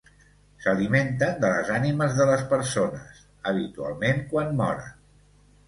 S'alimenten de les ànimes de les persones, habitualment quan moren.